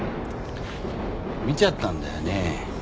見ちゃったんだよね。